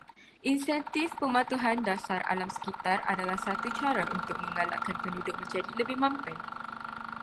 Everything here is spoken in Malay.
Insentif pematuhan dasar alam sekitar adalah satu cara untuk menggalakkan penduduk menjadi lebih mampan